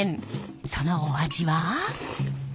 そのお味は？